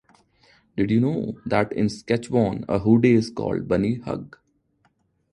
Did you know that in Saskatchewan, a hoodie is called a bunnyhug?